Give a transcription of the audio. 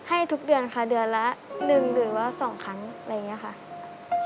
ให้ทุกเดือนค่ะเดือนละ๑เดือนละ๒ครั้งอะไรอย่างนี้ค่ะ